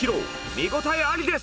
見応えありです！